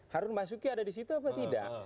harun basuki ada di situ apa tidak